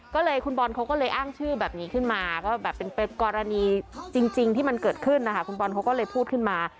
ก็เลยคุณบอลเขาก็เลยอ้างชื่อแบบนี้ขึ้นมาก็แบบเป็นกรณีจริงที่มันเกิดขึ้นนะคะคุณบอลเขาก็เลยพูดขึ้นมา